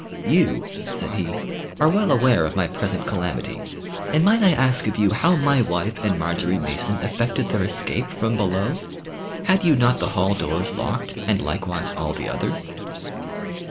"You," said he, "are well aware of my present calamity, and might I ask of you how my wife and Marjory Mason effected their escape from below? Had you not the hall doors locked and likewise all the others?"